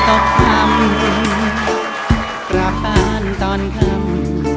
รักจากราตอนเช้ากาคงที่ตกคำ